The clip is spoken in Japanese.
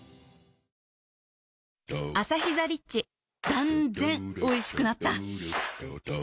断然おいしくなった